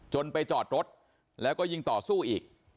ไปจอดรถแล้วก็ยิงต่อสู้อีก